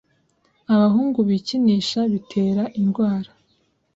abahungu bikinisha bitera indwara,